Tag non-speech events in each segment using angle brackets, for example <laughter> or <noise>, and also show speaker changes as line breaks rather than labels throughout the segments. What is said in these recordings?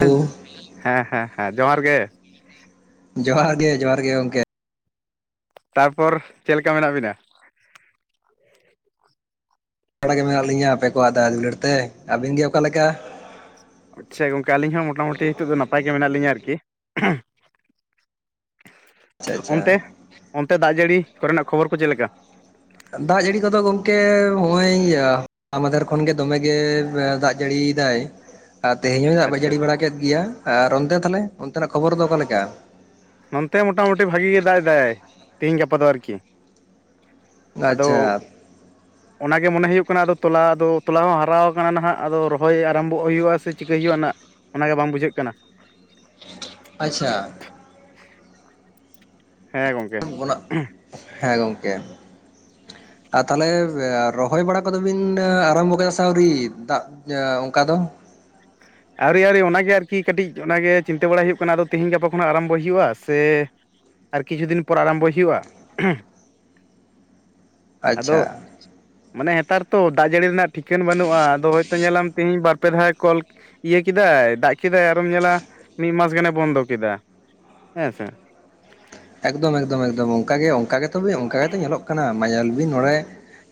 ᱦᱮᱸ ᱦᱮᱸ ᱡᱚᱦᱟᱨ ᱜᱮ᱾
ᱡᱚᱦᱟᱨ ᱜᱮ ᱡᱚᱦᱟᱨ ᱜᱮ ᱜᱚᱝᱠᱮ᱾
ᱛᱟᱨᱯᱚᱨ ᱪᱮᱫ ᱞᱮᱠᱟ ᱢᱮᱱᱟᱜ ᱵᱤᱱᱟ? <inaudible>
<unintelligible> ᱜᱮ ᱢᱮᱱᱟᱜ ᱞᱤᱧᱟᱹ ᱟᱯᱮ ᱠᱚᱣᱟᱜ ᱫᱟᱭᱟ ᱫᱩᱞᱟᱹᱲ ᱛᱮ᱾ ᱟᱹᱵᱤᱱ ᱜᱮ ᱚᱠᱟ ᱞᱮᱠᱟ?
ᱟᱪᱪᱷᱟ ᱜᱚᱝᱠᱮ ᱟᱹᱞᱤᱧ ᱦᱚᱸ ᱢᱚᱴᱟᱢᱩᱴᱤ ᱱᱤᱛᱚᱜ ᱫᱚ ᱱᱟᱯᱟᱭ ᱜᱮ ᱢᱮᱱᱟᱜ ᱞᱤᱧᱟ ᱟᱨᱠᱤ᱾
<inaudible>
ᱚᱱᱛᱮ, ᱚᱱᱛᱮ ᱫᱟᱜ ᱡᱟᱹᱲᱤ ᱠᱚᱨᱮᱱᱟᱜ ᱠᱷᱚᱵᱚᱨ ᱠᱚ ᱪᱮᱫ ᱞᱮᱠᱟ?
ᱫᱟᱜ ᱡᱟᱹᱲᱤ ᱠᱚᱫᱚ ᱜᱚᱝᱠᱮ ᱦᱚᱸᱜ-ᱚᱭ ᱦᱚᱞᱟ ᱢᱟᱫᱷᱮᱨ ᱠᱷᱚᱱ ᱜᱮ ᱫᱚᱢᱮ ᱜᱮ ᱫᱟᱜ ᱡᱟᱹᱲᱤ ᱭᱮᱫᱟᱭ᱾ ᱟᱨ ᱛᱮᱦᱮᱧ ᱦᱚᱸ <unintelligible>
ᱟᱪᱪᱷᱟ
ᱡᱟᱹᱲᱤ ᱵᱟᱲᱟ
ᱟᱪᱪᱷᱟ
ᱠᱮᱫ ᱜᱮᱭᱟ, ᱟᱨ ᱚᱱᱛᱮ ᱛᱟᱦᱞᱮ ᱚᱱᱛᱮᱱᱟᱜ ᱠᱷᱚᱵᱚᱨ ᱫᱚ ᱚᱠᱟ ᱞᱮᱠᱟ?
ᱱᱚᱱᱛᱮ ᱢᱚᱴᱟᱢᱩᱴᱤ ᱵᱷᱟᱜᱤ ᱜᱮ ᱫᱟᱜ ᱮᱫᱟ ᱛᱮᱦᱤᱧ ᱜᱟᱯᱟ ᱫᱚ ᱟᱨᱠᱤ᱾ ᱟᱫᱚ
ᱟᱪᱪᱷᱟ <inaudible>
ᱚᱱᱟᱜᱮ ᱢᱚᱱᱮ ᱦᱩᱭᱩᱜ ᱠᱟᱱᱟ ᱟᱫᱚ ᱛᱚᱞᱟ ᱟᱫᱚ ᱛᱚᱞᱟ ᱦᱚᱸ ᱦᱟᱨᱟ ᱠᱟᱱᱟ ᱱᱟᱦᱟᱜ ᱟᱫᱚ ᱨᱚᱦᱚᱭ ᱟᱨᱟᱢᱵᱚᱜ ᱦᱩᱭᱩᱜᱼᱟ ᱥᱮ ᱪᱤᱠᱟᱹᱭ ᱦᱩᱭᱩᱜᱼᱟ ᱱᱟᱜ ᱚᱱᱟᱜᱮ ᱵᱟᱝ ᱵᱩᱡᱷᱟᱹᱜ ᱠᱟᱱᱟ᱾
ᱟᱪᱪᱷᱟ
ᱦᱮᱸ ᱜᱚᱝᱠᱮ
<unintelligible> ᱦᱮᱸ ᱜᱚᱢᱠᱮ‌ ᱟᱨ ᱛᱟᱦᱚᱞᱮ ᱨᱚᱦᱚᱭ ᱵᱟᱲᱟ ᱠᱚᱫᱚ ᱵᱤᱱ ᱟᱨᱟᱢᱵᱚ ᱠᱮᱫᱟ ᱥᱮ ᱟᱹᱣᱨᱤ ᱫᱟᱜ ᱤᱭᱟᱹ ᱚᱱᱠᱟ ᱫᱚ᱾
ᱟᱹᱣᱨᱤ ᱟᱹᱣᱨᱤ ᱚᱱᱟᱜᱮ ᱟᱨᱠᱤ ᱠᱟᱹᱴᱤᱡ ᱚᱱᱟᱜᱮ ᱪᱤᱱᱛᱟᱹ ᱵᱟᱲᱟᱭ ᱦᱩᱭᱩᱜ ᱠᱟᱱᱟ ᱟᱫᱚ ᱛᱤᱦᱤᱧ ᱜᱟᱯᱟ ᱠᱷᱚᱱᱟᱜ ᱟᱨᱟᱢᱵᱚᱭ ᱦᱩᱭᱩᱜᱼᱟ ᱥᱮ ᱟᱨ ᱠᱤᱪᱷᱩ ᱫᱤᱱ ᱯᱚᱨ ᱟᱨᱟᱢᱵᱚᱭ ᱦᱩᱭᱩᱜᱼᱟ᱾
<inaudible>
ᱟᱫᱚ
ᱟᱪᱪᱷᱟ
ᱢᱟᱱᱮ ᱱᱮᱛᱟᱨ ᱛᱚ ᱫᱟᱜ ᱡᱟᱹᱲᱤ ᱨᱮᱱᱟᱜ ᱴᱷᱤᱠᱟᱹᱱ ᱵᱟᱹᱱᱩᱜᱼᱟ᱾ ᱟᱫᱚ ᱦᱚᱭᱛᱚ ᱧᱮᱞᱟᱢ ᱛᱤᱦᱤᱧ ᱵᱟᱨᱯᱮ ᱫᱷᱟᱣ ᱠᱚᱞ ᱤᱭᱟᱹ ᱠᱮᱫᱟᱭ ᱫᱟᱜ ᱠᱮᱫᱟᱭ ᱟᱨᱮᱢ ᱧᱮᱞᱟ ᱢᱤᱫ ᱢᱟᱥ ᱜᱟᱱᱮ ᱵᱚᱱᱫᱚ ᱠᱮᱫᱟ, ᱦᱮᱸᱥᱮ᱾
ᱮᱠᱫᱚᱢ ᱮᱠᱫᱚᱢ ᱮᱠᱫᱚᱢ ᱚᱱᱠᱟ ᱜᱮ ᱚᱱᱠᱟ ᱜᱮᱛᱚ ᱚᱱᱠᱟ ᱜᱮᱛᱚ ᱧᱮᱞᱚᱜ ᱠᱟᱱᱟ ᱢᱟ ᱧᱮᱞ ᱵᱤᱱ ᱱᱚᱸᱰᱮ᱾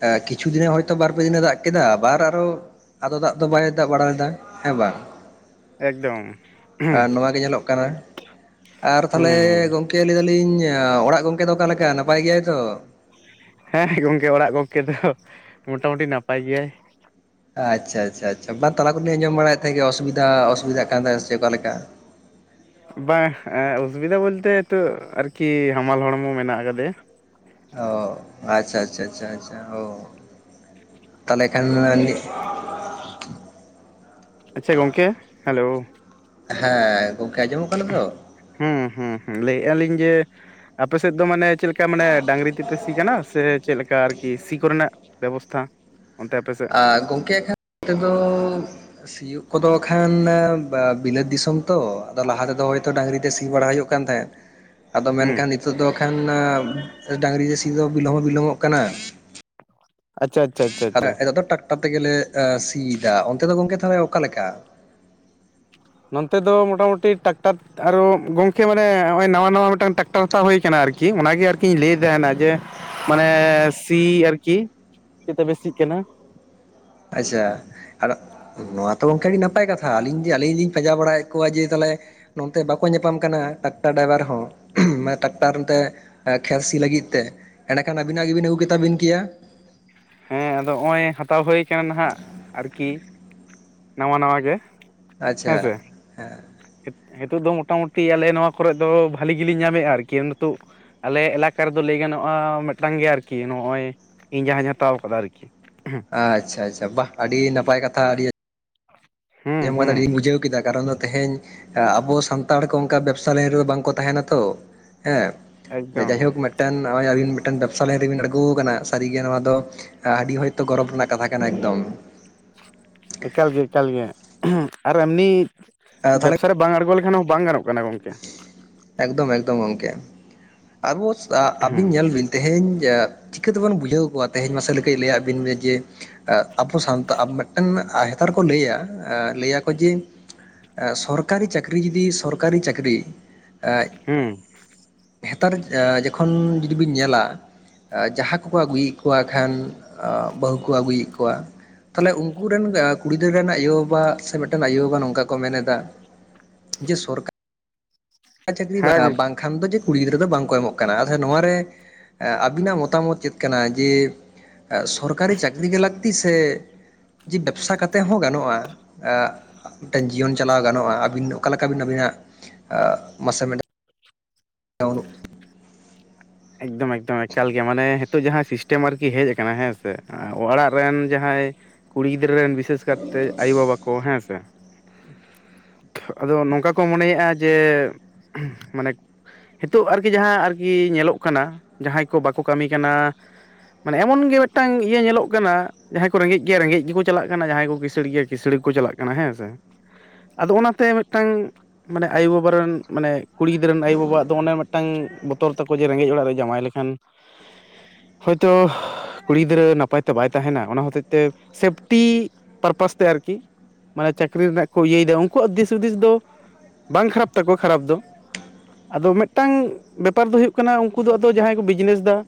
ᱮ ᱠᱤᱪᱷᱩ ᱫᱤᱱ ᱦᱚᱭᱛᱚ ᱵᱟᱨ ᱯᱮ ᱫᱤᱱᱮ ᱫᱟᱜ ᱠᱮᱫᱟ᱾ ᱟᱵᱟᱨ ᱟᱨᱚ ᱟᱫᱚ ᱫᱟᱜ ᱫᱚ ᱵᱟᱭ ᱫᱟᱜ ᱵᱟᱲᱟ ᱞᱮᱫᱟ ᱦᱮᱸ ᱵᱟᱝ
ᱮᱠᱫᱚᱢ
ᱟᱨ ᱱᱚᱣᱟ ᱜᱮ ᱧᱮᱞᱚᱜ ᱠᱟᱱᱟ ᱟᱨ
ᱦᱩᱸ
ᱛᱟᱞᱦᱮ ᱜᱚᱝᱠᱮ ᱞᱟᱹᱭ ᱫᱟᱞᱤᱧ ᱚᱲᱟᱜ ᱜᱚᱝᱠᱮ ᱫᱚ ᱚᱠᱟ ᱞᱮᱠᱟ, ᱱᱟᱯᱟᱭ ᱜᱮᱭᱟᱭ ᱛᱚ?
ᱦᱮᱸ ᱜᱚᱝᱠᱮ, ᱚᱲᱟᱜ ᱜᱚᱝᱠᱮ ᱫᱚ ᱢᱚᱴᱟᱢᱩᱴᱤ ᱱᱟᱯᱟᱭ ᱜᱮᱭᱟᱭ᱾
ᱟᱪᱪᱷᱟ ᱟᱪᱪᱷᱟ ᱟᱪᱪᱷᱟ ᱵᱟ ᱛᱟᱞᱟ ᱠᱷᱚᱱᱞᱤᱧ ᱟᱸᱡᱚᱢ ᱵᱟᱲᱟᱭᱮᱫ ᱛᱟᱦᱮᱸᱫ ᱜᱮ ᱚᱥᱩᱵᱤᱫᱷᱟ ᱚᱥᱩᱵᱤᱫᱷᱟᱜ ᱠᱟᱱ ᱛᱟᱦᱮᱸᱫ ᱥᱮ ᱚᱠᱟ ᱞᱮᱠᱟ᱾
ᱵᱟᱝ, ᱚᱥᱩᱵᱤᱫᱟ ᱵᱚᱞᱛᱮ ᱱᱤᱛᱚᱜ ᱟᱨᱠᱤ ᱦᱟᱢᱟᱞ ᱦᱚᱲᱢᱚ ᱢᱮᱱᱟᱜ ᱟᱠᱟᱫᱮᱭᱟ᱾
ᱚ ᱟᱪᱪᱷᱟ ᱟᱪᱪᱷᱟ ᱟᱪᱪᱷᱟ ᱚ ᱛᱟᱦᱞᱮ ᱠᱷᱟᱱ <inaudible>
ᱟᱪᱪᱷᱟ ᱜᱚᱝᱠᱮ ᱦᱮᱞᱳ
ᱦᱮᱸ ᱜᱚᱝᱠᱮ ᱟᱸᱡᱚᱢᱚᱜ ᱠᱟᱱᱟ ᱛᱚ?
ᱦᱩᱸ ᱦᱩᱸ ᱦᱩᱸ ᱞᱟᱹᱭ ᱟᱞᱤᱧ ᱡᱮ ᱟᱯᱮ ᱥᱮᱫ ᱫᱚ ᱢᱟᱱᱮ ᱪᱮᱫ ᱞᱮᱠᱟ ᱢᱟᱱᱮ ᱰᱟᱝᱨᱤ ᱛᱮᱯᱮ ᱥᱤ ᱠᱟᱱᱟ ᱥᱮ ᱪᱮᱫ ᱞᱮᱠᱟ ᱟᱨᱠᱤ? ᱥᱤ ᱠᱚᱨᱮᱱᱟᱜ ᱵᱮᱵᱚᱥᱛᱷᱟ? ᱚᱱᱛᱮ ᱟᱯᱮ ᱥᱮᱫ
ᱟᱨ ᱜᱚᱝᱠᱮ ᱠᱷᱟᱱ <inaudible> ᱛᱮᱫᱚ ᱥᱤᱭᱳᱜ ᱠᱚᱫᱚ ᱠᱷᱟᱱ ᱵᱤᱞᱟᱹᱛ ᱫᱤᱥᱚᱢ ᱛᱚ ᱟᱫᱚ ᱞᱟᱦᱟ ᱛᱮᱫᱚ ᱦᱚᱭᱛᱚ ᱰᱟᱝᱨᱤ ᱛᱮ ᱥᱤ ᱵᱟᱲᱟ ᱦᱩᱭᱩᱜ ᱠᱟᱱ ᱛᱟᱦᱮᱸᱫ᱾ ᱟᱫᱚ
ᱦᱩᱸ
ᱢᱮᱱᱠᱷᱟᱱ ᱱᱤᱛᱳᱜ ᱫᱚ ᱠᱷᱟᱱ ᱰᱟᱝᱨᱤ ᱛᱮ ᱥᱤ ᱫᱚ ᱵᱤᱞᱚᱢ ᱦᱚᱸ ᱵᱤᱞᱚᱢᱚᱜ ᱠᱟᱱᱟ᱾
ᱟᱪᱪᱷᱟ ᱟᱪᱪᱷᱟ ᱟᱪᱪᱷᱟ
ᱟᱨ
ᱟᱪᱪᱷᱟ
ᱱᱤᱛᱚᱜ ᱫᱚ ᱴᱨᱟᱠᱴᱟᱨ ᱛᱮᱜᱮᱞᱮ ᱥᱤ ᱮᱫᱟ᱾ ᱚᱱᱛᱮ ᱫᱚ ᱜᱚᱝᱠᱮ ᱛᱟᱦᱚᱞᱮ ᱚᱠᱟ ᱞᱮᱠᱟ?
ᱱᱚᱱᱛᱮ ᱫᱚ ᱢᱚᱴᱟᱢᱩᱴᱤ ᱴᱟᱠᱴᱟᱨ ᱟᱨᱦ <unintelligible> ᱜᱚᱢᱠᱮ ᱢᱟᱱᱮ ᱱᱚᱜᱼᱚᱭ ᱱᱟᱣᱟ ᱱᱟᱣᱟ ᱢᱤᱫᱴᱟᱱ ᱴᱨᱟᱠᱴᱟᱨ ᱦᱟᱛᱟᱣ ᱦᱩᱭ ᱠᱟᱱᱟ᱾ ᱟᱨᱠᱤ ᱚᱱᱟᱜᱮ ᱟᱨᱠᱤᱧ ᱞᱟᱹᱭ ᱛᱟᱦᱮᱱᱟ ᱡᱮ᱾ ᱢᱟᱱᱮ- ᱥᱤ ᱟᱨᱠᱤ ᱪᱮᱫ ᱛᱮᱯᱮ ᱥᱤᱜ ᱠᱟᱱᱟ?
ᱟᱪᱪᱷᱟ ᱟᱫᱚ ᱱᱚᱣᱟ ᱛᱚ ᱜᱚᱝᱠᱮ ᱱᱟᱯᱟᱭ ᱠᱟᱛᱷᱟ᱾ ᱟᱹᱞᱤᱧ ᱡᱮ ᱟᱹᱞᱤᱧ ᱞᱤᱧ ᱯᱟᱸᱡᱟ ᱵᱟᱲᱟᱭᱮᱫ ᱠᱚᱣᱟ ᱡᱮ ᱛᱟᱦᱚᱞᱮ ᱱᱚᱱᱛᱮ ᱵᱟᱠᱚ ᱧᱟᱯᱟᱢ ᱠᱟᱱᱟ ᱴᱨᱟᱠᱴᱟᱨ ᱰᱟᱭᱵᱷᱟᱨ ᱦᱚᱸ᱾ ᱴᱨᱟᱠᱴᱟᱨ ᱱᱛᱮ ᱮᱠᱷᱟᱱ ᱥᱤ ᱞᱟᱹᱜᱤᱫ ᱛᱮ ᱮᱸᱰᱮᱠᱷᱟᱱ ᱟᱹᱵᱤᱱᱟᱜ ᱜᱮᱵᱤᱱ ᱟᱹᱜᱩ ᱠᱮ ᱛᱟᱵᱤᱱ ᱠᱮᱭᱟ᱾
ᱦᱮᱸ ᱟᱫᱚ ᱱᱚᱜ-ᱚᱭ ᱦᱟᱛᱟᱣ ᱦᱩᱭ ᱠᱟᱱᱟ, ᱱᱟᱦᱟᱜ ᱟᱨᱠᱤ ᱱᱟᱣᱟ ᱱᱟᱣᱟ ᱜᱮ᱾ ᱦᱮᱸᱥᱮ
ᱟᱪᱪᱷᱟ ᱦᱮᱸ
ᱱᱤᱛᱚᱜ ᱫᱚ ᱢᱚᱴᱟᱢᱩᱴᱤ ᱟᱞᱮ ᱱᱚᱣᱟ ᱠᱚᱨᱮ ᱫᱚ ᱵᱷᱟᱞᱤ ᱜᱮᱞᱤᱮᱱ ᱧᱟᱢᱮᱫᱼᱟ᱾ ᱟᱨᱠᱤ ᱱᱤᱛᱚᱜ ᱟᱞᱮ ᱮᱞᱟᱠᱟ ᱨᱮᱫᱚ ᱞᱟᱹᱭ ᱜᱟᱱᱚᱜᱼᱟ ᱢᱤᱫᱴᱟᱝ ᱜᱮᱭᱟ᱾ ᱟᱨᱠᱤ ᱱᱚᱜᱼᱚᱭ ᱤᱧ ᱡᱟᱦᱟᱧ ᱦᱟᱛᱟᱣ ᱟᱠᱟᱫᱟ, ᱟᱨᱠᱤ ᱦᱮᱸ᱾
ᱟᱪᱪᱷᱟ ᱟᱪᱪᱷᱟ ᱵᱟ ᱟᱹᱰᱤ ᱱᱟᱯᱟᱭ ᱠᱟᱛᱷᱟ ᱟᱹᱰᱤ
ᱦᱩᱸ
<unintelligible>
ᱦᱩᱸ
ᱟᱹᱰᱤᱧ ᱵᱩᱡᱷᱟᱹᱣ ᱠᱮᱫᱟ᱾ ᱠᱟᱨᱚᱱ ᱫᱚ ᱛᱮᱦᱮᱧ ᱟᱵᱚ ᱥᱟᱱᱛᱟᱲ ᱠᱚ ᱚᱱᱠᱟ ᱵᱮᱵᱽᱥᱟ ᱞᱟᱭᱤᱱ ᱨᱮᱫᱚ ᱵᱟᱝᱠᱚ ᱛᱟᱦᱮᱱᱟ ᱛᱚ᱾ ᱦᱮᱸ
ᱮᱠᱫᱚᱢ
ᱡᱟᱭᱦᱳᱠ ᱢᱤᱫ ᱢᱤᱫᱴᱮᱱ ᱱᱚᱜᱚᱭ ᱟᱹᱵᱤᱱ ᱢᱤᱫᱴᱮᱱ ᱵᱮᱵᱽᱥᱟ ᱞᱟᱭᱤ ᱨᱮᱵᱤᱱ ᱟᱲᱜᱳ ᱟᱠᱟᱱᱟ᱾ ᱥᱟᱹᱨᱤᱜᱮ ᱱᱚᱣᱟ ᱫᱚ ᱟᱹᱰᱤ ᱦᱚᱭᱛᱚ ᱜᱚᱨᱚᱢ ᱨᱮᱱᱟᱜ ᱠᱟᱛᱷᱟ ᱠᱟᱱᱟ ᱮᱠᱫᱚᱢ᱾
ᱮᱠᱟᱞ ᱜᱮ ᱮᱠᱟᱞ ᱜᱮ ᱟᱨ ᱮᱢᱱᱤ
ᱛᱟᱦᱚᱞᱮ
ᱵᱮᱵᱥᱟ ᱵᱟᱝ ᱟᱬᱜᱚ ᱞᱮᱠᱷᱟᱱ ᱦᱚᱸ ᱵᱟᱝ ᱜᱟᱱᱚᱜ ᱠᱟᱱᱟ ᱜᱚᱝᱠᱮ᱾
ᱮᱠᱫᱚᱢ ᱮᱠᱫᱚᱢ ᱜᱚᱢᱠᱮ ᱟᱵᱚ ᱟᱹᱵᱤᱱ
ᱦᱩᱸ
ᱧᱮᱞ ᱵᱤᱱ ᱛᱮᱦᱮᱧ ᱡᱟᱜ ᱪᱤᱠᱟᱹ ᱛᱮᱵᱚᱱ ᱵᱩᱡᱷᱟᱹᱣ ᱠᱚᱣᱟ᱾ ᱛᱮᱦᱮᱧ ᱢᱟᱥᱮ ᱠᱟᱹᱡ ᱞᱟᱹᱭᱟᱫ ᱵᱤᱱ ᱢᱮ ᱡᱮ ᱟᱵᱚ ᱥᱟᱱᱛᱟ ᱢᱤᱫᱴᱮᱱ ᱦᱮᱛᱟᱨ ᱠᱚ ᱞᱟᱹᱭᱟ ᱞᱟᱹᱭ ᱟᱠᱚ ᱡᱮ ᱥᱚᱨᱠᱟᱨᱤ ᱪᱟᱹᱠᱨᱤ ᱡᱩᱫᱤ ᱥᱚᱨᱠᱟᱨᱤ ᱪᱟᱹᱠᱨᱤ ᱟᱡ
ᱦᱩᱸ
ᱱᱮᱛᱟᱨ ᱡᱚᱠᱷᱚᱱ ᱡᱩᱫᱤ ᱵᱤᱱ ᱧᱮᱞᱟ ᱡᱟᱦᱟᱸ ᱠᱚᱠᱚ ᱟᱹᱜᱩᱭᱮᱫ ᱠᱚᱣᱟ ᱠᱷᱟᱱ ᱵᱟᱹᱦᱩ ᱠᱚ ᱟᱹᱜᱩᱭᱮᱫ ᱠᱚᱣᱟ᱾ ᱛᱟᱦᱚᱞᱮ ᱩᱝᱠᱩ ᱨᱮᱱ ᱠᱩᱲᱤ ᱜᱤᱫᱽᱨᱟᱹ ᱨᱮᱱ ᱟᱭᱳᱵᱟᱵᱟ ᱥᱮ ᱢᱤᱫᱴᱮᱱ ᱟᱭᱳᱵᱟᱵᱟ ᱱᱚᱝᱠᱟ ᱠᱚ ᱢᱮᱱᱮᱫᱟ ᱡᱮ ᱥᱚᱨᱠᱟᱨ ᱪᱟᱹᱠᱨᱤ
ᱦᱮᱸ ᱜᱚᱝᱠᱮ
ᱵᱟᱝᱠᱷᱟᱱ ᱫᱚ ᱡᱮ ᱠᱩᱲᱤ ᱜᱤᱫᱽᱨᱟᱹ ᱫᱚ ᱵᱟᱝᱠᱚ ᱮᱢᱚᱜ ᱠᱟᱱᱟ ᱟᱫᱷᱟ ᱱᱚᱣᱟ ᱨᱮ ᱮ ᱟᱹᱵᱤᱱᱟᱜ ᱢᱚᱛᱟᱢᱚᱛ ᱪᱮᱫ ᱠᱟᱱᱟ ᱡᱮ ᱥᱚᱨᱠᱟᱨᱤ ᱪᱟᱹᱠᱨᱤ ᱜᱮ ᱞᱟᱹᱠᱛᱤ ᱥᱮ ᱡᱮ ᱵᱮᱵᱥᱟ ᱠᱟᱛᱮᱜ ᱦᱚᱸ ᱜᱟᱱᱚᱜᱼᱟ ᱢᱤᱫᱴᱮᱱ ᱡᱤᱭᱚᱱ ᱪᱟᱞᱟᱣ ᱜᱟᱱᱚᱜᱼᱟ ᱟᱹᱵᱤᱱ ᱚᱠᱟᱞᱠᱟ ᱵᱤᱱ ᱟᱹᱵᱤᱱᱟᱜ ᱢᱟᱥᱮ ᱡᱚᱱ <unintelligible>
ᱮᱠᱫᱚᱢ ᱮᱠᱫᱚᱢ ᱮᱠᱟᱞ ᱜᱮ ᱢᱟᱱᱮ ᱦᱤᱛᱚᱜ ᱡᱟᱦᱟᱸᱭ ᱥᱤᱥᱴᱮᱢ ᱟᱨᱠᱤ ᱦᱮᱡ ᱟᱠᱟᱱᱟ ᱦᱮᱸᱥᱮ ᱚᱲᱟᱜ ᱨᱮᱱ ᱡᱟᱦᱟᱸᱭ ᱠᱩᱲᱤ ᱜᱤᱫᱽᱨᱟᱹ ᱨᱮᱱ ᱵᱤᱥᱮᱥ ᱠᱟᱨᱛᱮ ᱟᱭᱳᱵᱟᱵᱟ ᱠᱚ ᱦᱮᱸ ᱥᱮ
<inaudible>
ᱟᱫᱚ ᱱᱚᱝᱠᱟ ᱠᱚ ᱢᱚᱱᱮᱭᱮᱫᱼᱟ, ᱡᱮ ᱢᱟᱱᱮ ᱱᱤᱛᱚᱜ ᱟᱨᱠᱤ ᱡᱟᱦᱟᱸ ᱟᱨᱠᱤ ᱧᱮᱞᱚᱜ ᱠᱟᱱᱟ ᱡᱟᱦᱟᱸᱭ ᱠᱚ ᱵᱟᱠᱚ ᱠᱟᱹᱢᱤ ᱠᱟᱱᱟ᱾ ᱢᱟᱱᱮ ᱮᱢᱚᱱ ᱜᱮ ᱢᱤᱫᱴᱟᱝ ᱤᱭᱟᱹ ᱧᱮᱞᱚᱜ ᱠᱟᱱᱟ᱾ ᱡᱟᱦᱟᱸᱭ ᱠᱚ ᱨᱮᱸᱜᱮᱡ ᱜᱮᱭᱟ ᱨᱮᱸᱜᱮᱡ ᱜᱮᱠᱚ ᱪᱟᱞᱟᱜ ᱠᱟᱱᱟ ᱡᱟᱦᱟᱸᱭ ᱠᱚ ᱠᱤᱥᱟᱹᱲᱤ ᱜᱮᱭᱟ ᱠᱤᱤᱥᱟᱹᱲ ᱜᱮᱠᱚ ᱪᱟᱞᱟᱜ ᱠᱟᱱᱟ ᱦᱮᱸ ᱥᱮ ᱟᱫᱚ ᱚᱱᱟᱛᱮ ᱢᱮᱫᱴᱟᱝ ᱢᱟᱱᱮ ᱟᱭᱳ ᱵᱟᱵᱟ ᱨᱮᱱ ᱢᱟᱱᱮ ᱠᱩᱲᱤ ᱜᱤᱫᱽᱨᱟᱹ ᱨᱮᱱ ᱟᱭᱳᱼᱵᱟᱣᱟᱜ ᱫᱚ ᱚᱱᱮ ᱢᱮᱫᱴᱟᱝ ᱵᱚᱛᱚᱨ ᱛᱟᱠᱚ ᱡᱮ ᱨᱮᱸᱜᱮᱡ ᱚᱲᱟᱜ ᱨᱮ ᱡᱟᱶᱟᱭ ᱞᱮᱠᱷᱟᱱ ᱦᱳᱭᱛᱳ ᱠᱩᱲᱤ ᱜᱤᱫᱽᱨᱟᱹ ᱱᱟᱯᱟᱭ ᱛᱮ ᱵᱟᱭ ᱛᱟᱦᱮᱱᱟ ᱚᱱᱟ ᱦᱚᱛᱮᱡ ᱛᱮ ᱥᱮᱯᱴᱤ ᱯᱟᱨᱯᱟᱥ ᱛᱮ ᱟᱨᱠᱤ ᱢᱟᱱᱮ ᱪᱟᱹᱠᱨᱤ ᱨᱮᱱᱟᱜ ᱠᱚ ᱤᱭᱟᱹᱭᱮᱫᱟ ᱩᱱᱠᱩᱣᱟᱜ ᱫᱤᱥ ᱦᱩᱫᱤᱥ ᱫᱚ ᱵᱟᱝ ᱠᱷᱟᱨᱟᱯ ᱛᱟᱠᱚᱣᱟ ᱠᱷᱟᱨᱟᱯ ᱫᱚ ᱟᱫᱚ ᱢᱤᱫᱴᱟᱝ ᱵᱮᱯᱟᱨ ᱫᱚ ᱦᱩᱭᱩᱜ ᱠᱟᱱᱟ ᱩᱝᱠᱩ ᱫᱚ ᱟᱫᱚ ᱡᱟᱦᱟᱸᱭ ᱠᱩ ᱵᱤᱡᱽᱱᱮᱥ ᱫᱟ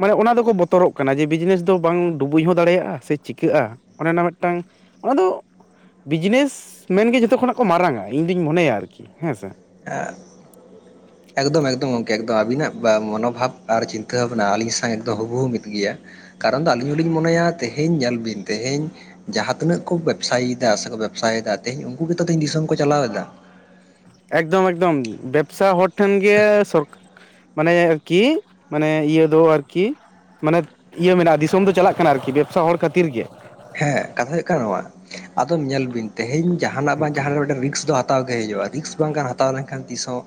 ᱢᱟᱱᱮ ᱚᱱᱟ ᱫᱚᱠᱚ ᱵᱚᱛᱚᱨᱚᱜ ᱠᱟᱱᱟ ᱡᱮ ᱵᱤᱡᱽᱱᱮᱥ ᱫᱚ ᱵᱟᱝ ᱰᱩᱵᱩᱡ ᱦᱚᱸ ᱫᱟᱲᱮᱭᱟᱜᱼᱟ ᱥᱮ ᱪᱤᱠᱟᱹᱜᱼᱟ ᱚᱱᱮᱚᱱᱟ ᱢᱤᱫᱴᱟᱝ ᱟᱫᱚ ᱵᱤᱡᱽᱱᱮᱥ ᱢᱮᱱᱜᱮ ᱡᱷᱚᱛᱚ ᱠᱷᱚᱱᱟᱜ ᱠᱚ ᱢᱟᱨᱟᱝᱟ ᱤᱧ ᱫᱳᱧ ᱢᱚᱱᱮᱭᱟ ᱟᱨᱠᱤ ᱦᱮᱸ ᱥᱮ
<unintelligible> ᱮᱠᱫᱚᱢ ᱮᱠᱫᱚᱢ ᱜᱚᱢᱠᱮ ᱟᱵᱤᱱᱟᱜ ᱢᱚᱱᱳᱵᱷᱟᱵ ᱟᱨ ᱪᱤᱱᱛᱟᱹ ᱵᱷᱟᱵᱱᱟ ᱟᱞᱤᱧ ᱥᱟᱶ ᱮᱠᱫᱚᱢ ᱦᱩᱵᱩᱦᱩᱜ ᱢᱤᱫ ᱜᱮᱭᱟ ᱠᱟᱨᱚᱱ ᱫᱚ ᱟᱹᱞᱤᱧ ᱦᱚᱞᱤᱧ ᱢᱚᱱᱮᱭᱟ ᱛᱮᱦᱮᱧ ᱧᱮᱞ ᱵᱤᱱ ᱛᱮᱦᱮᱧ ᱡᱟᱦᱟᱸ ᱛᱤᱱᱟᱹᱜ ᱠᱚ ᱵᱮᱵᱽᱥᱟᱭᱤᱫᱟ ᱥᱮᱠᱚ ᱵᱮᱵᱽᱥᱟᱭᱮᱫᱟ ᱛᱮᱦᱤᱧ ᱩᱱᱠᱩ ᱜᱮᱛᱚ ᱛᱮᱦᱧ ᱫᱤᱥᱚᱢ ᱠᱚ ᱪᱟᱞᱟᱣᱮᱫᱟ
ᱮᱠᱫᱚᱢ ᱮᱠᱫᱚᱢ ᱵᱮᱵᱥᱟ ᱦᱚᱲ ᱴᱷᱮᱱ ᱜᱮ ᱥᱚᱨ ᱢᱟᱱᱮ ᱠᱤ ᱢᱟᱱᱮ ᱤᱭᱟᱹ ᱫᱚ ᱟᱨᱠᱤ ᱢᱟᱱᱮ ᱤᱭᱟᱹ ᱢᱮᱱᱟᱜᱼᱟ ᱫᱤᱥᱚᱢ ᱫᱚ ᱪᱟᱞᱟᱜ ᱠᱟᱱᱟ ᱟᱨᱠᱤ ᱵᱮᱵᱽᱥᱟ ᱦᱚᱲ ᱠᱷᱟᱹᱛᱤᱨ ᱜᱮ
ᱦᱮᱸ ᱠᱟᱛᱷᱟ ᱦᱩᱭᱩᱜ ᱠᱟᱱᱟ ᱱᱚᱣᱟ ᱟᱫᱚᱢ ᱧᱮᱞ ᱵᱤᱱ ᱛᱮᱦᱮᱧ ᱡᱟᱦᱟᱱᱟᱜ ᱵᱟᱝ
ᱮᱠᱫᱚᱢ
ᱡᱟᱦᱟᱱᱟᱜ ᱨᱤᱠᱥ ᱫᱚ ᱦᱟᱛ ᱦᱟᱛᱟᱣ ᱜᱮ ᱦᱩᱭᱩᱜᱼᱟ ᱨᱤᱠᱥ ᱵᱟᱝᱠᱷᱟᱱ ᱦᱟᱛᱟᱣ ᱞᱮᱱᱠᱷᱟᱱ ᱛᱤᱥ ᱦᱚᱸ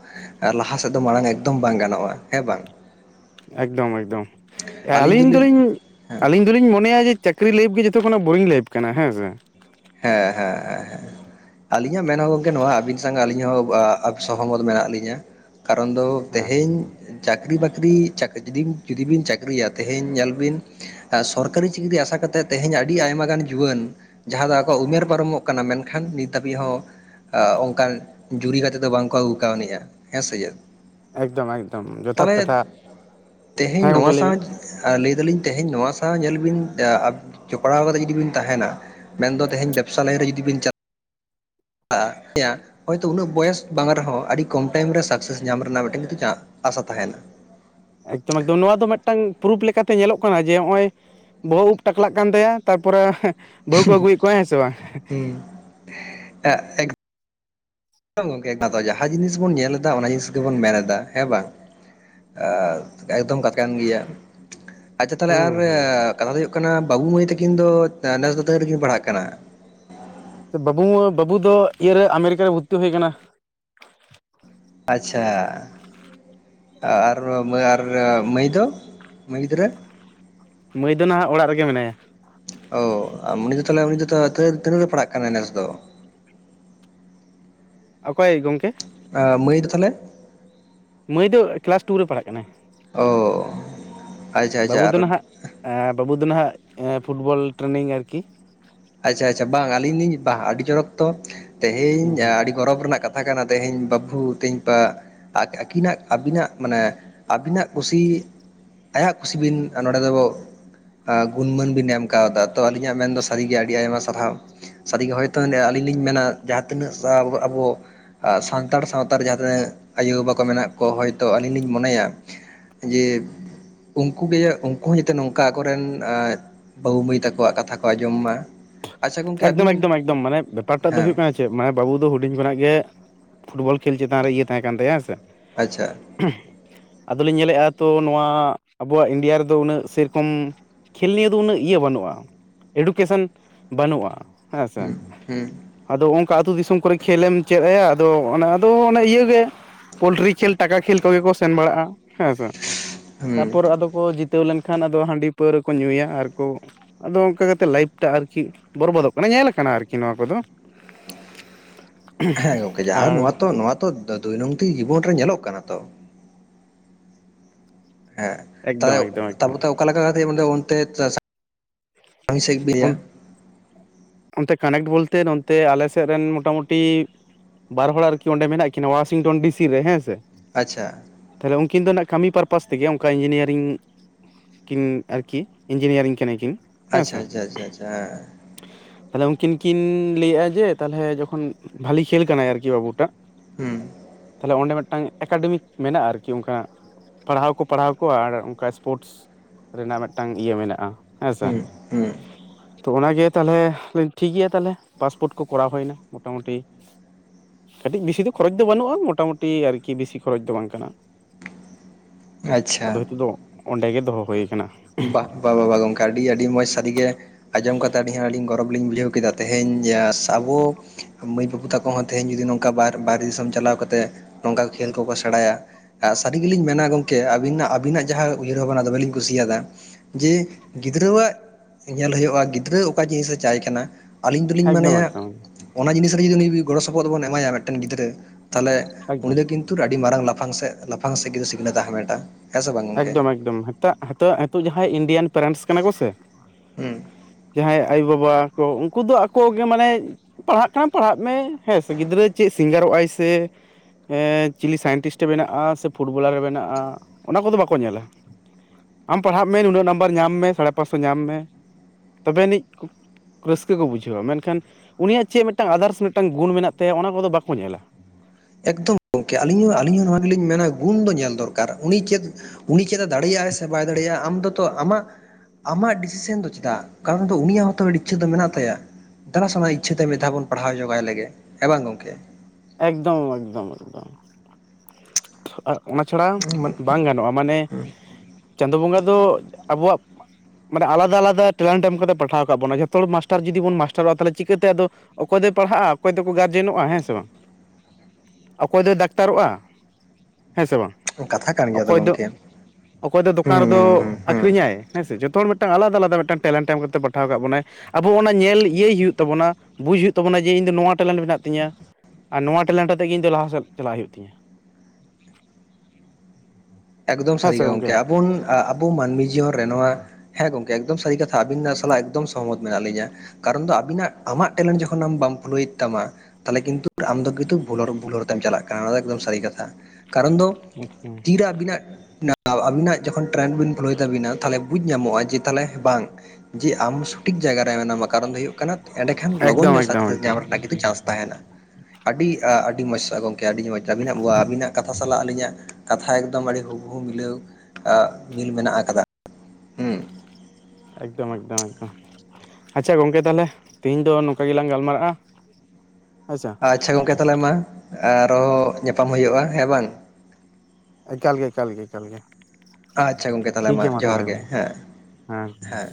ᱟᱨ ᱞᱟᱦᱟ ᱥᱮᱫ ᱫᱚ ᱢᱟᱲᱟᱝ ᱮᱠᱫᱚᱢ ᱵᱟᱝ ᱜᱟᱱᱚᱜᱼᱟ ᱦᱮᱸ ᱵᱟᱝ
ᱮᱠᱫᱚᱢ ᱮᱠᱫᱚᱢ ᱟᱹᱞᱤᱧ ᱫᱚᱞᱤᱧ ᱟᱞᱤᱧ ᱫᱚᱞᱤᱧ ᱢᱚᱱᱮᱭᱟ ᱡᱮ ᱪᱟᱹᱠᱨᱤ ᱞᱟᱹᱭᱤᱯᱷ ᱜᱮ ᱡᱚᱛᱚ ᱠᱷᱚᱱᱟᱜ ᱵᱳᱨᱤᱝ ᱞᱟᱹᱭᱤᱯᱷ ᱠᱟᱱᱟ ᱦᱮᱸ ᱥᱮ
ᱦᱮᱸ ᱦᱮᱸ ᱦᱮᱸ ᱦᱮᱸ ᱟᱹᱞᱤᱧᱟᱜ ᱢᱮᱱ ᱦᱚᱸ ᱜᱚᱝᱠᱮ ᱱᱚᱣᱟ ᱟᱹᱵᱤᱱ ᱥᱟᱝ ᱟᱹᱞᱤᱧ ᱦᱚᱸ ᱥᱚᱦᱚᱢᱚᱛ ᱢᱮᱱᱟᱜ ᱞᱤᱧᱟ ᱠᱟᱨᱚᱱ ᱫᱚ
ᱦᱮᱸ
ᱛᱮᱦᱮᱧ ᱪᱟᱹᱠᱨᱤ ᱵᱟᱹᱠᱨᱤ ᱪᱟᱹᱠ ᱡᱩᱫᱤᱢ ᱡᱩᱫᱤᱵᱤᱱ ᱪᱟᱹᱠᱨᱤᱭᱟ ᱛᱮᱦᱤᱧ ᱧᱮᱞ ᱵᱤᱱ ᱥᱚᱨᱠᱟᱨᱤ ᱪᱤᱠᱨᱤ ᱟᱥᱟ ᱠᱟᱛᱮᱜ ᱛᱮᱦᱮᱧ ᱟᱹᱰᱤ ᱟᱭᱢᱟ ᱜᱟᱱ ᱡᱩᱣᱟᱹᱱ ᱡᱟᱦᱟᱸ ᱫᱚ ᱟᱠᱚᱣᱟᱜ ᱩᱢᱮᱨ ᱯᱟᱨᱚᱢᱚᱜ ᱠᱟᱱᱟ ᱢᱮᱱᱠᱷᱟᱱ ᱱᱤᱛ ᱦᱟᱹᱵᱤᱡ ᱦᱚᱸ ᱚᱝᱠᱟᱱ ᱡᱩᱨᱤ ᱜᱟᱛᱮ ᱫᱚ ᱵᱟᱝᱠᱚ ᱟᱹᱜᱩ ᱠᱟᱣᱱᱤᱡᱼᱟ ᱦᱮᱸᱥᱮ ᱪᱮᱫ
ᱮᱠᱫᱚᱢ ᱮᱠᱫᱚᱢ ᱡᱚᱛᱷᱟᱛ
ᱛᱟᱦᱚᱞᱮ
ᱠᱟᱛᱷᱟ
ᱛᱮᱦᱮᱧ
ᱦᱮᱸ
ᱱᱚᱣᱟ
ᱜᱚᱝᱠᱮ ᱞᱟᱹᱭ
ᱥᱟᱶ
ᱵᱤᱱ
ᱞᱟᱹᱭ ᱫᱟᱞᱤᱧ ᱛᱮᱦᱮᱧ ᱱᱚᱣᱟ ᱥᱟᱶ ᱧᱮᱞ ᱵᱤᱱ ᱟ ᱡᱚᱯᱲᱟᱣ ᱠᱟᱛᱮᱫ ᱡᱩᱫᱤᱵᱤᱱ ᱛᱟᱦᱮᱱᱟ ᱢᱮᱱᱫᱚ ᱛᱮᱦᱮᱧ ᱵᱮᱯᱥᱟ ᱞᱟᱹᱭᱤᱱ ᱨᱮ ᱡᱩᱫᱤ ᱵᱤᱱ ᱪᱟᱜ <unintelligible> ᱦᱚᱳᱭᱛᱳ ᱩᱱᱟᱹᱜ ᱵᱚᱭᱮᱥ ᱵᱟᱝ ᱨᱮᱦᱚᱸ ᱟᱹᱰᱤ ᱠᱚᱢ ᱴᱟᱭᱤᱢ ᱨᱮ ᱥᱟᱠᱥᱮᱥ ᱧᱟᱢ ᱨᱮᱱᱟᱜ ᱢᱤᱫᱴᱮᱱ ᱪᱟᱸᱥ ᱟᱥᱟ ᱛᱟᱦᱮᱱᱟ
ᱮᱠᱫᱚᱢ ᱮᱠᱫᱚᱢ ᱱᱚᱣᱟ ᱫᱚ ᱢᱤᱫᱴᱟᱝ ᱯᱨᱩᱯᱷ ᱞᱮᱠᱟᱛᱮ ᱧᱮᱞᱚᱜ ᱠᱟᱱᱟ ᱡᱮ ᱦᱚᱜᱼᱚᱭ ᱵᱚᱦᱚᱜ ᱩᱵ ᱴᱟᱠᱞᱟᱜ ᱠᱟᱱ ᱛᱟᱭᱟ ᱛᱟᱨᱯᱚᱨᱮ ᱵᱟᱹᱦᱩ ᱠᱚ ᱟᱹᱜᱩᱭᱮᱫ ᱠᱚᱣᱣᱟ ᱦᱮᱸ ᱥᱮ ᱵᱟ
ᱮ ᱮᱠ ᱦᱮᱸ ᱜᱚᱝᱠᱮ ᱫᱚ ᱡᱟᱦᱟᱸ ᱡᱤᱱᱤᱥ ᱵᱩᱱ ᱧᱮᱞ ᱮᱫᱟ ᱚᱱᱟ ᱡᱤᱱᱤᱥ ᱜᱮᱵᱩᱱ ᱢᱮᱱ ᱮᱫᱟ ᱦᱮᱸ ᱵᱟᱝ ᱾ ᱮᱫ ᱮᱠᱫᱚᱢ ᱠᱟᱛᱷᱟ ᱠᱟᱱ ᱜᱮᱭᱟ ᱟᱪᱪᱷᱟ ᱛᱟᱦᱚᱞᱮ
ᱦᱩᱸ
ᱟᱨ
ᱦᱩᱸ
ᱠᱟᱛᱷᱟ ᱫᱚ ᱦᱩᱭᱩᱜ ᱠᱟᱱᱟ ᱵᱟᱹᱵᱩ ᱢᱟᱹᱭ ᱛᱟᱹᱠᱤᱱ ᱫᱚ ᱱᱮᱥ ᱫᱚ ᱛᱮᱱᱟᱹᱜ ᱨᱮ ᱠᱤᱱ ᱯᱟᱲᱦᱟᱜ ᱠᱟᱱᱟ?
ᱵᱟᱹᱵᱩ ᱵᱟᱹᱵᱩ ᱫᱚ ᱤᱭᱟᱹ ᱨᱮ ᱟᱢᱮᱨᱤᱠᱟ ᱨᱮ ᱵᱷᱩᱨᱛᱤ ᱦᱩᱭ ᱠᱟᱱᱟ
ᱟᱪᱪᱷᱟ ᱟᱨ ᱟᱨ ᱢᱟᱹᱭ ᱫᱚ ᱢᱟᱹᱭ ᱜᱤᱫᱽᱨᱟᱹ
ᱢᱟᱹᱭ ᱫᱚ ᱱᱟᱦᱟᱜ ᱚᱲᱟᱜ ᱨᱮᱜᱮ ᱢᱮᱱᱟᱭᱟ
ᱳ ᱩᱱᱤ ᱫᱚ ᱛᱟᱦᱚᱞᱮ ᱩᱱᱤ ᱫᱚ ᱛᱟᱦᱚᱞᱮ ᱛᱤᱱᱟᱹᱜ ᱛᱤᱱᱟᱹᱜ ᱨᱮ ᱯᱟᱲᱦᱟᱜ ᱠᱟᱱᱟᱭ ᱱᱮᱥ ᱫᱚ
ᱚᱠᱚᱭ ᱜᱚᱝᱠᱮ
ᱟᱸ ᱢᱟᱹᱭ ᱫᱚ ᱛᱟᱦᱚᱞᱮ
ᱢᱟᱹᱭ ᱫᱚ ᱠᱮᱞᱟᱥ ᱴᱩ ᱨᱮ ᱯᱟᱲᱦᱟᱜ ᱠᱟᱱᱟᱭ
ᱳ ᱟᱪᱪᱷᱟ ᱟᱪᱪᱷᱟ ᱟᱨ
ᱟ ᱵᱟᱹᱵᱩ ᱫᱚ ᱱᱟᱦᱟᱜ ᱯᱷᱩᱴᱵᱚᱞ ᱴᱨᱮᱱᱤᱝ ᱟᱨᱠᱤ
ᱟᱪᱪᱷᱟ ᱟᱪᱪᱷᱟ ᱵᱟᱝ ᱟᱹᱞᱤᱧ ᱞᱤᱧ ᱵᱟ ᱟᱹᱰᱤ ᱪᱚᱨᱚᱠ ᱛᱚ
ᱦᱩᱸ
ᱛᱮᱦᱮᱧ ᱟ.
ᱦᱩᱸ
ᱰᱤ ᱜᱚᱨᱚᱵᱽ ᱨᱮᱱᱟᱜ ᱠᱟᱛᱷᱟ ᱠᱟᱱᱟ ᱛᱮᱦᱮᱧ ᱵᱟᱹᱵᱩ ᱛᱮᱦᱮᱧ ᱯᱟ ᱟᱹᱠᱤᱱᱟᱜ ᱟᱹᱵᱤᱱᱟᱜ ᱢᱟᱱᱮ ᱟᱹᱵᱤᱱᱟᱜ ᱠᱩᱥᱤ ᱟᱭᱟᱜ ᱠᱩᱥᱤ ᱵᱤᱱ ᱱᱚᱸᱰᱮ ᱫᱚ ᱟ ᱜᱩᱱᱢᱟᱹᱱ ᱵᱤᱱ ᱮᱢ ᱠᱟᱣᱫᱟ ᱛᱚ ᱟᱞᱤᱧᱟᱜ ᱢᱮᱱ ᱫᱚ ᱥᱟᱹᱨᱤ ᱜᱮ ᱟᱹᱰ ᱥᱟᱨᱦᱟᱣ ᱥᱟᱹᱨᱤ ᱜᱮ ᱦᱚᱭᱛᱳ ᱟᱹᱞᱤᱧ ᱞᱤᱧ ᱢᱮᱱᱟ ᱡᱟᱦᱟᱸ ᱛᱤᱱᱟᱹᱜ ᱟᱵᱚ ᱥᱟᱱᱛᱟᱲ ᱥᱟᱶᱛᱟ ᱨᱮ ᱡᱟᱦᱟᱸ ᱛᱤᱱᱟᱹᱜ ᱟᱭᱳ ᱵᱟᱵᱟ ᱠᱚ ᱢᱮᱱᱟᱜ ᱠᱚ ᱦᱚᱭᱛᱚ ᱟᱹᱞᱤᱧ ᱞᱤᱧ ᱢᱚᱱᱮᱭᱟ ᱡᱮ ᱩᱱᱠᱩ ᱜᱤᱭᱟ. ᱩᱱᱠᱩ ᱦᱚᱸ ᱡᱟᱛᱮ ᱱᱚᱝᱠᱟ ᱟᱠᱚ ᱨᱮᱱ ᱵᱟᱹᱵᱩ ᱢᱟᱹᱭ ᱛᱟᱠᱚᱣᱟᱜ ᱠᱟᱛᱷᱟ ᱠᱚ ᱟᱸᱡᱚᱢ ᱢᱟ ᱟᱪᱪᱷᱟ ᱜᱚᱝᱠᱮ
ᱮᱠᱫᱚᱢ
ᱟᱹᱵᱤᱱ
ᱮᱠᱫᱚᱢ ᱮᱠᱫᱚᱢ ᱢᱟᱱᱮ ᱵᱮᱯᱟᱨᱴᱟ ᱫᱚ
ᱦᱮᱸ
ᱦᱩᱭᱩᱜ ᱠᱟᱱᱟ ᱪᱮᱜ ᱢᱟᱱᱮ ᱵᱟᱹᱵᱩ ᱫᱚ ᱦᱩᱰᱤᱧ ᱠᱷᱚᱱᱟᱜ ᱜᱮ ᱯᱷᱩᱴᱵᱚᱞ ᱠᱷᱮᱞ ᱪᱮᱛᱟᱱ ᱨᱮ ᱤᱭᱟᱹ ᱛᱟᱦᱮᱸ ᱠᱟᱱ ᱛᱟᱭᱟ ᱦᱮᱸ ᱥᱮ
ᱟᱪᱪᱷᱟ
ᱟᱫᱚᱞᱤᱧ ᱧᱮᱞᱮᱫ-ᱟ ᱛᱚ ᱱᱚᱣᱟ ᱟᱵᱚᱣᱟᱜ ᱤᱱᱰᱤᱭᱟ ᱨᱮᱫᱚ ᱩᱱᱟᱹᱜ ᱥᱮᱨᱚᱠᱚᱢ ᱠᱷᱮᱞ ᱱᱤᱭᱟᱹ ᱫᱚ ᱩᱱᱟᱹᱜ ᱤᱭᱟᱹ ᱵᱟᱹᱱᱩᱜ-ᱟ ᱮᱰᱩᱠᱮᱥᱚᱱ ᱵᱟᱹᱱᱩᱜ-ᱟ ᱦᱮᱸ ᱥᱮ
ᱦᱩᱸ ᱦᱩᱸ
ᱟᱫᱚ ᱚᱱᱠᱟ ᱟᱹᱛᱩ ᱫᱤᱥᱚᱢ ᱠᱚᱨᱮ ᱠᱷᱮᱞ ᱮᱢ ᱪᱮᱫ ᱟᱭᱟ ᱟᱫᱚ ᱚᱱᱮ ᱟᱫᱚ ᱚᱱᱮ ᱤᱭᱟᱹ ᱜᱮ ᱯᱳᱞᱴᱨᱤ ᱠᱷᱮᱞ ᱴᱟᱠᱟ ᱠᱷᱮᱞ ᱠᱚᱜᱮ ᱠᱚ ᱥᱮᱱ ᱵᱟᱲᱟᱜ-ᱟ ᱦᱮᱸ ᱥᱮ
ᱦᱩᱸ
ᱛᱟᱨᱯᱚᱨ ᱟᱫᱚ ᱠᱚ ᱡᱤᱛ ᱛᱟᱹᱣ ᱞᱮᱱᱠᱷᱟᱱ ᱟᱫᱚ ᱦᱟᱺᱰᱤ ᱯᱟᱹᱣᱨᱟᱹ ᱠᱚ ᱧᱩᱭᱟ ᱟᱨᱠᱚ ᱟᱫᱚ ᱚᱱᱠᱟ ᱠᱟᱛᱮ ᱞᱟᱭᱤᱯᱷ ᱴᱟᱜ ᱟᱨᱠᱤ ᱵᱚᱨᱵᱚᱫᱚᱜ ᱠᱟᱱᱟ ᱧᱮᱞ ᱠᱟᱱᱟ ᱟᱨᱠᱤ ᱱᱚᱣᱟ ᱠᱚᱫᱚ
ᱦᱮᱸ ᱜᱚᱝᱠᱮ ᱡᱟᱦᱟ
ᱟᱨ
ᱱᱚᱣᱟ ᱛᱚ ᱱᱚᱣᱟ ᱛᱚ ᱫᱳᱭᱱᱳᱝᱛᱤ ᱡᱤᱵᱚᱱ ᱨᱮ ᱧᱮᱞᱚᱜ ᱠᱟᱱᱟ ᱛᱚ ᱦᱮᱸ ᱛᱟᱭ
ᱮᱠᱫᱚᱢ ᱮᱠᱫᱚᱢ ᱮᱠᱫᱚᱢ
ᱛᱟᱨᱯᱚᱨ ᱛᱚ ᱚᱠᱟ ᱞᱮᱠᱟ ᱢᱟᱱᱮ ᱚᱱᱛᱮ ᱛᱟ ᱥᱟᱜ
ᱚᱱᱛ ᱚᱱᱛᱮ ᱠᱟᱱᱮᱴ ᱵᱚᱞᱛᱮ ᱱᱚᱛᱮ ᱟᱞᱮ ᱥᱮᱫ ᱨᱮᱱ ᱢᱚᱴᱟᱢᱩᱴᱤ ᱵᱟᱨ ᱦᱚᱲ ᱟᱨᱠᱤ ᱚᱸᱰᱮ ᱢᱮᱱᱟᱜ ᱠᱤᱱᱟ ᱳᱣᱟᱥᱤᱝᱰᱚᱱ ᱰᱤᱥᱤ ᱨᱮ ᱦᱮᱸ ᱥᱮ
ᱟᱪᱪᱷᱟ
ᱛᱟᱦᱚᱞᱮ ᱩᱱᱠᱤᱱ ᱫᱚ ᱱᱟᱜ ᱠᱟᱹᱢᱤ ᱯᱟᱨᱯᱟᱥ ᱛᱮᱜᱮ ᱚᱱᱠᱟ ᱤᱧᱡᱤᱱᱤᱭᱟᱨᱤᱝ ᱠᱤᱱ ᱟᱨᱠᱤ ᱤᱧᱡᱤᱱᱤᱭᱟᱨᱤᱝ ᱠᱟᱱᱟ ᱠᱤᱱ
ᱟᱪᱪᱷᱟ ᱟᱪᱪᱷᱟ ᱟᱪᱪᱷᱟ ᱟᱪᱪᱷᱟ ᱦᱮᱸ
ᱛᱟᱦᱞᱮ ᱩᱱᱠᱤᱱ ᱠᱤᱱ ᱞᱟᱹᱭᱮᱫ-ᱟ ᱡᱮ ᱛᱟᱦᱞᱮ ᱡᱚᱠᱷᱚᱱ ᱵᱷᱟᱞᱤ ᱠᱷᱮᱞ ᱠᱟᱱᱟᱭ ᱟᱨᱠᱤ ᱵᱟᱹᱵᱩ ᱴᱟᱜ
ᱦᱩᱸ
ᱛᱟᱦᱚᱞᱮ ᱚᱸᱰᱮ ᱢᱤᱫᱴᱟᱝ ᱮᱠᱟᱰᱮᱢᱤᱠ ᱢᱮᱱᱟᱜ-ᱟ ᱟᱨᱠᱤ ᱚᱱᱠᱟ ᱯᱟᱲᱦᱟᱣ ᱦᱚᱸᱠᱚ ᱯᱟᱲᱦᱟᱣ ᱠᱚᱣᱟ ᱟᱨ ᱚᱱᱠᱟ ᱥᱯᱳᱨᱴᱥ ᱨᱮᱱᱟᱜ ᱢᱤᱫᱴᱟᱝ ᱤᱭᱟᱹ ᱢᱮᱱᱟᱜ-ᱟ
<unintelligible>
ᱛᱚ ᱚᱱᱟ ᱜᱮ ᱛᱟᱦᱚᱞᱮ ᱴᱷᱤᱠ ᱜᱮᱭᱟ ᱛᱟᱦᱚᱞᱮ ᱯᱟᱥᱯᱳᱨᱴ ᱠᱚ ᱠᱚᱨᱟᱣ ᱦᱩᱭᱱᱟ ᱢᱚᱴᱟᱢᱩᱴᱤ ᱠᱟᱹᱴᱤᱡ ᱵᱤᱥᱤ ᱫᱚ ᱠᱷᱚᱨᱚᱪ ᱫᱚ ᱵᱟᱹᱱᱩᱜ-ᱟ ᱢᱚᱴᱟᱢᱩᱴᱤ ᱟᱨᱠᱤ ᱵᱤᱥᱤ ᱠᱷᱚᱨᱚᱪ ᱫᱚ ᱵᱟᱝ ᱠᱟᱱᱟ ᱟᱫᱚ
ᱟᱪᱪᱷᱟ
ᱦᱤᱛᱚᱜ ᱫᱚ ᱚᱸᱰᱮ ᱜᱮ ᱫᱚᱦᱚ ᱦᱩᱭ ᱠᱟᱱᱟ
ᱵᱟ ᱵᱟ-ᱵᱟ-ᱵᱟ ᱜᱚᱝᱠᱮ ᱟᱹᱰᱤ ᱟᱹᱰᱤ ᱢᱚᱸᱡᱽ ᱥᱟᱹᱨᱤ ᱜᱮ ᱟᱸᱡᱚᱢ ᱠᱟᱛᱮᱫ ᱟᱹᱰᱤᱧ ᱦᱚᱸ ᱟᱞᱤᱧ ᱜᱚᱨᱚᱵ ᱞᱤᱧ ᱵᱩᱡᱷᱟᱹᱣ ᱠᱮᱫᱟ ᱛᱮᱦᱮᱧ ᱥᱟᱵᱩ ᱢᱟᱹᱭ ᱵᱟᱹᱵᱩ ᱛᱟᱠᱚ ᱦᱚᱸ ᱛᱮᱦᱤᱧ ᱡᱩᱫᱤ ᱱᱚᱝᱠᱟ ᱵᱟᱨᱦᱮ ᱫᱤᱥᱚᱢ ᱪᱟᱞᱟᱣ ᱠᱟᱛᱮ ᱱᱚᱝᱠᱟ ᱠᱷᱮᱞ ᱠᱚᱠᱚ ᱥᱮᱬᱟᱭᱟ ᱥᱟᱹᱨᱤ ᱜᱮᱞᱤᱧ ᱢᱮᱱᱟ ᱜᱚᱝᱠᱮ ᱟᱵᱤᱱᱟᱜ ᱟᱵᱤᱱᱟᱜ ᱡᱟᱦᱟᱸ ᱩᱭᱦᱟᱹᱨ ᱵᱷᱟᱵᱽᱱᱟ ᱫᱚᱢᱮᱞᱤᱧ ᱠᱩᱥᱤᱭᱟᱫᱟ ᱡᱮ ᱜᱤᱫᱽᱨᱟᱹᱣᱟᱜ ᱧᱮᱞ ᱦᱩᱭᱩᱜ-ᱟ ᱜᱤᱫᱽᱨᱟᱹ ᱚᱠᱟ ᱡᱤᱱᱤᱥᱮ ᱪᱟᱭ ᱠᱟᱱᱟ ᱟᱹᱞᱤᱧ ᱫᱚᱞᱤᱧ
ᱮᱠᱫᱚᱢ
ᱢᱚᱱᱮᱭᱟ
ᱮᱠᱫᱚᱢ
ᱚᱱᱟ ᱡᱤᱱᱤᱥ ᱨᱮ ᱡᱩᱫᱤ ᱩᱱᱤ ᱜᱚᱲᱚ ᱥᱚᱯᱚᱦᱚᱫᱵᱚᱱ ᱮᱢᱟᱭᱟ ᱢᱤᱫᱴᱮᱱ ᱜᱤᱫᱽᱨᱟᱹ ᱛᱟᱦᱚᱞᱮ ᱩᱱᱤ
ᱮᱠᱫᱚᱢ
ᱫᱚ ᱠᱤᱱᱛᱩ ᱟᱹᱰᱤ ᱢᱟᱨᱟᱝ ᱞᱟᱷᱟᱝ ᱥᱮᱫ ᱞᱟᱯᱷᱟᱝ ᱥᱮᱫ ᱠᱤᱱᱛᱩ ᱥᱤᱠᱷᱱᱟᱹᱛ ᱦᱟᱢᱮᱴᱟ ᱦᱮᱸ ᱥᱮ ᱵᱟᱝ ᱜᱚᱝᱠᱮ
ᱮᱠᱫᱚᱢ ᱮᱠᱫᱚᱢ ᱱᱟᱜ ᱦ ᱱᱤᱛᱚᱜᱜ ᱡᱟᱦᱟᱸᱭ ᱤᱱᱰᱤᱭᱟᱱ ᱯᱮᱨᱮᱱᱴᱥ ᱠᱟᱱᱟ ᱠᱚᱥᱮ
ᱦᱩᱸ
ᱡᱟᱦᱟᱸᱭ ᱟᱭᱳ ᱵᱟᱵᱟ ᱠᱚ ᱩᱱᱠᱩ ᱫᱚ ᱟᱠᱚ ᱜᱮ ᱢᱟᱱᱮ ᱯᱟᱲᱦᱟᱜ ᱠᱟᱱᱟ ᱯᱟᱲᱦᱟᱜ ᱢᱮ ᱦᱮᱸ ᱥᱮ ᱜᱤᱫᱽᱨᱟᱹ ᱪᱮᱫ ᱥᱤᱝᱜᱟᱨᱚᱜᱟᱭ ᱥᱮ ᱮ ᱪᱤᱞᱤ ᱥᱟᱭᱮᱱᱴᱤᱥᱴ ᱮ ᱵᱮᱱᱟᱜ-ᱟ ᱥᱮ ᱯᱷᱩᱴᱵᱚᱞᱟᱨ ᱨᱮ ᱢᱮᱱᱟᱜ-ᱟ ᱚᱱᱟ ᱠᱚᱫᱚ ᱵᱟᱠᱚ ᱧᱮᱞᱟ ᱟᱢ ᱯᱟᱲᱦᱟᱜ ᱢᱮ ᱱᱩᱱᱟᱹᱜ ᱱᱟᱢᱵᱟᱨ ᱧᱟᱢ ᱢᱮ ᱥᱟᱲᱮ ᱯᱟᱸᱥᱥᱚ ᱧᱟᱢ ᱢᱮ ᱛᱚᱵᱮ ᱟᱹᱱᱤᱡ ᱨᱟᱹᱥᱠᱟᱹ ᱠᱚ ᱵᱩᱡᱷᱟᱹᱣᱟ ᱢᱮᱱᱠᱷᱟᱱ ᱩᱱᱤᱭᱟᱜ ᱪᱮᱫ ᱢᱤᱫᱴᱟᱝ ᱟᱫᱟᱨᱥ ᱢᱤᱫᱴᱟᱝ ᱜᱩᱱ ᱢᱮᱱᱟᱜ ᱛᱟᱭᱟ ᱚᱱᱟ ᱠᱚᱫᱚ ᱵᱟᱠᱚ ᱧᱮᱞᱟ
ᱮᱠᱫᱚᱢ ᱜᱚᱢᱠᱮ ᱟᱹᱞᱤᱧ ᱦᱚᱸ ᱟᱹᱞᱤᱧ ᱦᱚᱸ ᱱᱚᱣᱟ ᱜᱮᱞᱤᱧ ᱢᱮᱱᱟ ᱜᱩᱱ ᱫᱚ ᱧᱮᱞ ᱫᱚᱨᱠᱟᱨ ᱩᱱᱤ ᱪᱮᱫ ᱩᱱᱤ ᱪᱮᱫ ᱮ ᱫᱟᱲᱮᱭᱟᱜᱟᱭ ᱥᱮ ᱵᱟᱭ ᱫᱟᱲᱮᱭᱟᱜ-ᱟ ᱟᱢ ᱫᱚᱛᱚ ᱟᱢᱟᱜ ᱟᱢᱟᱜ ᱰᱤᱥᱤᱥᱮᱱ ᱫᱚ ᱪᱮᱫᱟᱜ ᱠᱟᱨᱚᱱ ᱫᱚ ᱩᱱᱤᱭᱟᱜ ᱦᱚᱛᱚ ᱤᱪᱪᱷᱟᱹ ᱫᱚ ᱢᱮᱱᱟᱜ ᱛᱟᱭᱟ ᱫᱟ ᱥᱟᱱᱟᱱᱟᱜ ᱤᱪᱪᱷᱟᱹ ᱛᱮ ᱢᱤᱫ ᱫᱷᱟᱣ ᱵᱚᱱ ᱯᱟᱲᱦᱟᱣ ᱡᱚᱜᱟᱭ ᱞᱮᱜᱮ ᱦᱮᱸ ᱵᱟᱝ ᱜᱚᱝᱠᱮ
ᱮᱠᱫᱚᱢ ᱮᱠᱫᱚᱢ ᱮᱠᱫᱚᱢ ᱚᱱᱟ ᱪᱷᱟᱲᱟ ᱵᱟᱝ ᱜᱟᱱᱚᱜ-ᱟ ᱢᱟᱱᱮ ᱪᱟᱸᱫᱳ ᱵᱚᱸᱜᱟ ᱫᱚ ᱟᱵᱚᱣᱟᱜ ᱢᱟᱱᱮ ᱟᱞᱟᱫᱟ ᱟᱞᱟᱫᱟ ᱴᱮᱞᱮᱱᱴ ᱮᱢ ᱠᱟᱛᱮ ᱯᱟᱲᱦᱟᱣ ᱠᱟᱜ ᱵᱚᱱᱟ ᱡᱚᱛᱚ ᱦᱚᱲ ᱡᱩᱫᱤ ᱵᱚᱱ ᱢᱟᱥᱴᱟᱨ-ᱟ ᱛᱟᱦᱚᱞᱮ ᱪᱤᱠᱟᱹᱛᱮ ᱟᱫᱚ ᱚᱠᱚᱭ ᱫᱚᱭ ᱯᱟᱲᱦᱟᱜ-ᱟ ᱚᱠᱚᱭ ᱫᱚᱠᱚ ᱜᱟᱨᱡᱮᱱᱚᱜ-ᱟ ᱦᱮᱸ ᱥᱮ ᱵᱟᱝ ᱚᱠᱚᱭ ᱫᱚ ᱰᱟᱠᱛᱟᱨᱚᱜ-ᱟ ᱦᱮᱸ ᱥᱮ ᱵᱟᱝ
ᱠᱟᱛᱷᱟ ᱠᱟᱱ ᱜᱮᱭᱟ ᱛᱚ
ᱚᱠᱚᱭ ᱫᱚ
ᱜᱚᱝᱠᱮ
ᱚᱠᱚᱭ ᱫᱚᱠᱟᱱ ᱨᱮᱫᱚ
ᱦᱩᱸ ᱦᱩᱸ ᱦᱩᱸ
ᱟᱠᱷᱨᱤᱧᱟᱭ ᱦᱮᱸ ᱥᱮ ᱡᱚᱛᱚ ᱦᱚᱲ ᱢᱤᱫᱴᱟᱝ ᱟᱞᱟᱫᱟ ᱟᱞᱟᱫᱟ ᱢᱤᱫᱴᱟᱝ ᱴᱮᱞᱮᱱᱴ ᱮᱢ ᱠᱟᱛᱮ ᱯᱟᱴᱷᱟᱣ ᱟᱠᱟᱫ ᱵᱚᱱᱟᱭ ᱟᱵᱚ ᱚᱱᱟ ᱧᱮᱞ ᱤᱭᱟᱹᱭ ᱦᱩᱭᱩᱜ ᱛᱟᱵᱚᱱᱟ ᱵᱩᱡ ᱦᱩᱭᱩᱜ ᱛᱟᱵᱚᱱᱟ ᱡᱮ ᱤᱧ ᱫᱚ ᱱᱚᱣᱟ ᱴᱮᱞᱮᱱᱴ ᱢᱮᱱᱟᱜ ᱛᱤᱧᱟᱹ ᱟᱨ ᱱᱚᱣᱟ ᱴᱮᱞᱮᱱᱴ ᱟᱛᱮᱜ ᱜᱮ ᱤᱧ ᱞᱟᱦᱟ ᱥᱮᱫ ᱪᱟᱞᱟᱜ ᱦᱩᱭᱩᱜ ᱛᱤᱧᱟᱹ
ᱮᱠᱫᱚᱢ
ᱦᱮᱸ
ᱥᱟᱹᱨᱤ
ᱥᱮ
ᱜᱮ ᱜᱚᱝᱠᱮ ᱟᱵᱚ <unintelligible> ᱢᱟᱹᱱᱢᱤ ᱡᱤᱭᱚᱱ ᱨᱮ ᱱᱚᱣᱟ ᱦᱮᱸ ᱜᱚᱢᱠᱮ ᱮᱠᱫᱚᱢ ᱥᱟᱹᱨᱤ ᱠᱟᱛᱷᱟ ᱟᱵᱤᱱᱱᱟᱜ ᱥᱟᱞᱟᱜ ᱮᱠᱫᱚᱢ ᱥᱚᱦᱚᱢᱚᱛ ᱢᱮᱱᱟᱜ ᱞᱤᱧᱟ ᱠᱟᱨᱚᱱ ᱫᱚ ᱟᱵᱤᱱᱟᱜ ᱟᱢᱟᱜ ᱴᱮᱞᱮᱱᱴ ᱡᱚᱠᱷᱚᱱ ᱟᱢ ᱵᱟᱢ ᱯᱷᱩᱞᱳᱭᱮᱫ ᱛᱟᱢᱟ ᱛᱟᱦᱚᱞᱮ ᱠᱤᱱᱛᱩ ᱟᱢᱫᱚ ᱠᱤᱱᱛᱩ ᱵᱷᱩᱞ ᱵᱷᱩᱞ ᱦᱚᱨ ᱛᱮᱢ ᱪᱟᱞᱟᱜ ᱠᱟᱱᱟ ᱚᱱᱟ ᱫᱚ ᱮᱠᱫᱚᱢ ᱥᱟᱹᱨᱤ ᱠᱟᱛᱷᱟ ᱠᱟᱨᱚᱱ ᱫᱚ <unintelligible> ᱛᱤᱨᱮ ᱟᱵᱤᱱᱟᱜ ᱟᱵᱤᱱᱟᱜ ᱡᱚᱠᱷᱚᱱ ᱴᱨᱮᱱᱰ ᱵᱤᱱ ᱯᱷᱳᱞᱳᱭ ᱛᱟᱵᱤᱱᱟ ᱛᱟᱦᱚᱞᱮ ᱵᱩᱡᱽ ᱧᱟᱢᱚᱜᱼᱟ ᱡᱮ ᱛᱟᱦᱚᱞᱮ ᱵᱟᱝ ᱡᱮ ᱟᱢ ᱥᱚᱴᱷᱤᱠ ᱡᱟᱭᱜᱟᱨ ᱨᱮ ᱢᱮᱱᱟᱢᱟ ᱠᱟᱨᱚᱱ ᱫᱚ ᱦᱩᱭᱩᱜ ᱮᱸᱰᱮᱠᱷᱟᱱ ᱞᱚᱜᱚᱱ
ᱮᱠᱫᱚᱢ
ᱧᱚᱜ
ᱮᱠᱫᱚᱢ
ᱥᱟᱠᱥᱮᱥ
ᱮᱠᱫᱚᱢ
ᱧᱟᱢ ᱨᱮᱱᱟᱜ ᱠᱤᱪᱷᱩ ᱪᱟᱱᱥ ᱛᱟᱦᱮᱱᱟ <unintelligible> ᱟᱹᱰᱤ ᱟᱹᱰᱤ ᱢᱚᱡᱽ ᱜᱚᱢᱠᱮ ᱟᱹᱰᱤ ᱢᱚᱡᱽ ᱟᱵᱤᱱᱟᱜ <unintelligible> ᱟᱹᱵᱤᱱᱟᱜ ᱠᱟᱛᱷᱟ ᱥᱟᱞᱟᱜ ᱟᱹᱞᱤᱧᱟᱜ ᱠᱟᱛᱷᱟ ᱮᱠᱫᱚᱢ ᱟᱹᱰᱤ ᱦᱩᱵᱷᱩ ᱢᱤᱞᱟᱹᱣ ᱢᱤᱞ ᱢᱮᱱᱟᱜ ᱟᱠᱟᱫᱟ ᱦᱮᱸ
ᱮᱠᱫᱚᱢ ᱮᱠᱫᱚᱢ ᱮᱠᱫᱚᱢ <unintelligible> ᱟᱪᱪᱷᱟ ᱜᱚᱝᱠᱮ ᱛᱟᱦᱚᱞᱮ ᱛᱮᱦᱤᱧ ᱫᱚ ᱱᱚᱝᱠᱟ ᱜᱮᱞᱟᱝ ᱜᱟᱞᱢᱟᱨᱟᱜᱼᱟ ᱦᱳᱭ ᱥᱮ
ᱟᱪᱪᱷᱟ ᱜᱚᱝᱠᱮ ᱛᱟᱦᱚᱞᱮ ᱢᱟ ᱟᱨᱦᱚᱸ ᱧᱟᱯᱟᱢ ᱦᱩᱭᱩᱜᱼᱟ ᱦᱮᱸ ᱵᱟᱝ
ᱮᱠᱟᱞ ᱜᱮ ᱮᱠᱟᱞ ᱜᱮ ᱮᱠᱟᱞ ᱜᱮ
ᱟᱪᱪᱷᱟ ᱜᱚᱝᱠᱮ ᱛᱟᱦᱚᱞᱮ
ᱴᱷᱤᱠ
ᱢᱟ
ᱜᱮᱭᱟ
ᱡᱚᱦᱟᱨ
ᱛᱟᱦᱚᱞᱮ
ᱜᱮ
ᱜᱚᱝᱠᱮ
ᱦᱮᱸ ᱦᱮᱸ